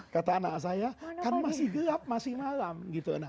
kata anak saya kan masih gelap masih malam gitu